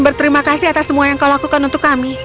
berterima kasih atas semua yang kau lakukan untuk kami